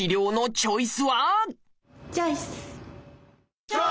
チョイス！